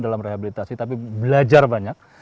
dalam rehabilitasi tapi belajar banyak